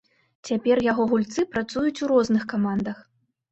Цяпер яго гульцы працуюць у розных камандах.